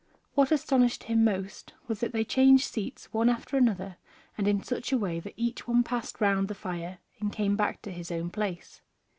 What astonished him most was that they changed seats one after another, and in such a way that each one passed round the fire and came back to his own place.